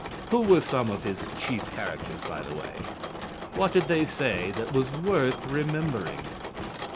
Who were some of his chief characters, by the way? What did they say that was worth remembering?